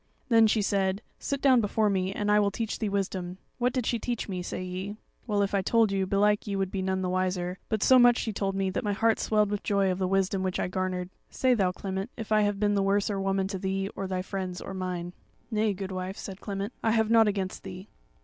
"Then she said: 'Sit down before me, and I will teach thee wisdom.' What did she teach me? say ye. Well, if I told you belike ye would be none the wiser; but so much she told me, that my heart swelled with joy of the wisdom which I garnered. Say thou, Clement, if I have been the worser woman to thee, or thy friends, or mine." "Nay, goodwife," said Clement, "I have nought against thee."